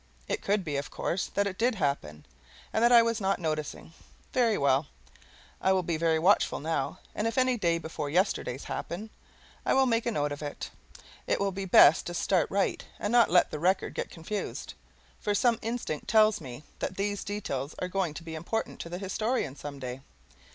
It could be, of course, that it did happen, and that I was not noticing. Very well; I will be very watchful now, and if any day before yesterdays happen I will make a note of it. It will be best to start right and not let the record get confused, for some instinct tells me that these details are going to be important to the historian some day.